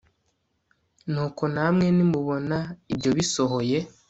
Nuko namwe nimubona ibyo bisohoye